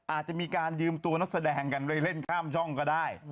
อาจจะมีการยืมตัวนักแสดงกันไปเล่นข้ามช่องก็ได้